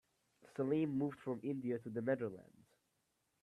Salim moved from India to the Netherlands.